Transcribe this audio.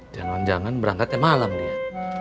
jangan jangan berangkatnya malam dia